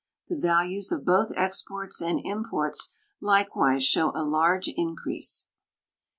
The values of both exports and imports likewise show a large increase.